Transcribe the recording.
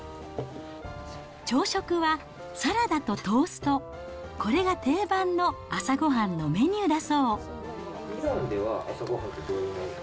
朝食はサラダとトースト、これが定番の朝ごはんのメニューだ